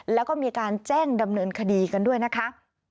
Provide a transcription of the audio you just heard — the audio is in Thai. แล้วก็มีการแจ้งดำเนินคดีกันด้วยนะคะ